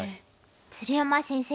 鶴山先生